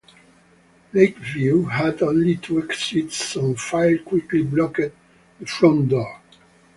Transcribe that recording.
Lakeview had only two exits and fire quickly blocked the front door.